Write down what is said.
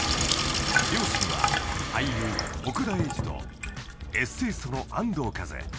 ［両親は俳優奥田瑛二とエッセイストの安藤和津］